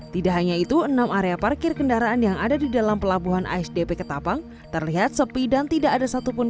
tidak hanya itu enam area parkir kendaraan yang ada di dalam pelabuhan asdp ketapang terlihat sepi dan tidak ada satupun